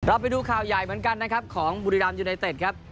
ไปดูข่าวใหญ่เหมือนกันนะครับของบุรีรัมยูไนเต็ดครับ